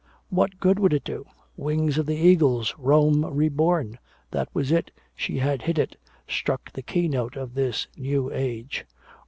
What good would it do? Wings of the Eagles, Rome reborn. That was it, she had hit it, struck the keynote of this new age.